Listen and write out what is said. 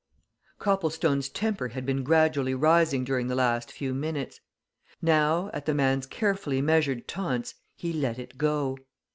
Copplestone's temper had been gradually rising during the last few minutes. Now, at the man's carefully measured taunts, he let it go.